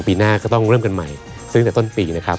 ปีหน้าก็ต้องเริ่มกันใหม่ซื้อตั้งแต่ต้นปีนะครับ